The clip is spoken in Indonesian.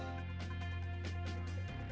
jadi kita akan mengulasnya nanti